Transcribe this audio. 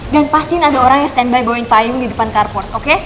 dan pastiin ada orang yang stand by bawain payung di depan carport oke